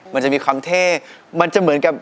มันจะมีความเท่มันจะเหมือนกับ